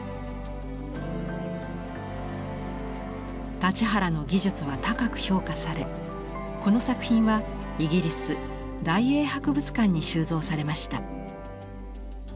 立原の技術は高く評価されこの作品はイギリス大英博物館に収蔵されました。